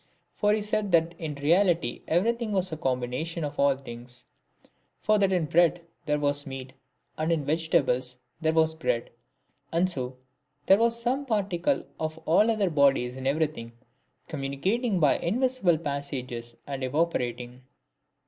For lie said that in reality every thing was a combination of all things. For that in bread there was meat, and in vegetables there was bread, and so there were some particles of all other bodies in everything, communicating by invisible passages and evaporating.